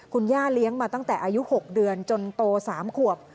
คุณย่าเลี้ยงมาตั้งแต่อายุ๖เดือนจนโต๓ขวบ